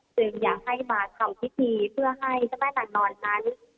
จึงอยากให้มาเข้าผิดทีเพื่อให้ชาวแม่นางนอนนั้น